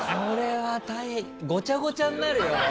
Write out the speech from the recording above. これはごちゃごちゃになるよ。